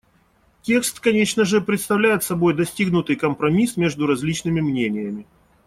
Текст, конечно же, представляет собой достигнутый компромисс между различными мнениями.